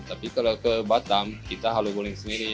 tapi kalau ke batam kita halo guling sendiri